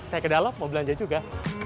saya kedalo mau belanja juga